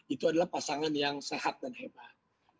itu adalah pasangan yang sehat dan hebat